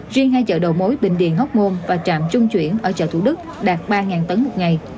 riêng hai chợ đầu mối bình điền hóc môn và trạm trung chuyển ở chợ thủ đức đạt ba tấn một ngày